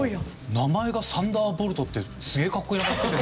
名前がサンダー・ボルトってすげえかっこいい名前付けて。